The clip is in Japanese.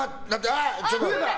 あちょっと！